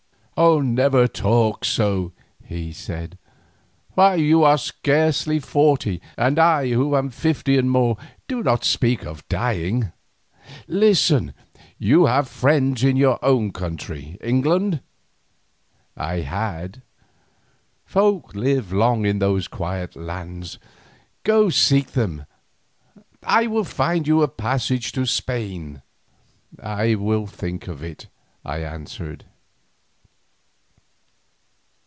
"Never talk so," he said; "why, you are scarcely forty, and I who am fifty and more do not speak of dying. Listen; you have friends in your own country, England?" "I had." "Folk live long in those quiet lands. Go seek them, I will find you a passage to Spain." "I will think of it," I answered.